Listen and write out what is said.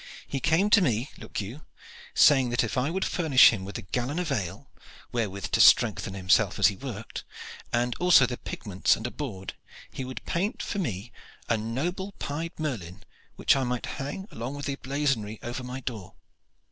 He came to me, look you, saying that if I would furnish him with a gallon of ale, wherewith to strengthen himself as he worked, and also the pigments and a board, he would paint for me a noble pied merlin which I might hang along with the blazonry over my door.